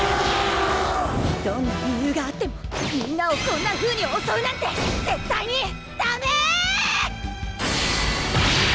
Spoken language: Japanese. どんな理由があってもみんなをこんなふうに襲うなんて絶対にダメ！